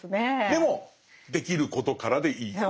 でもできることからでいいっていう。